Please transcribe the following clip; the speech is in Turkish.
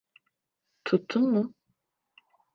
Tuttun mu?